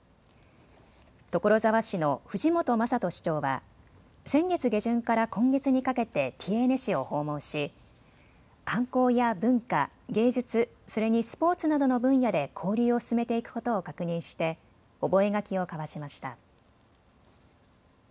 所沢市の藤本正人市長は先月下旬から今月にかけてティエーネ市を訪問し、観光や文化、芸術それにスポーツなどの分野で交流を進めていくことを確認して覚書を交わしました。